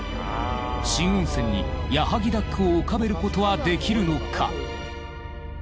新温泉にやはぎダックを浮かべることはできるのか？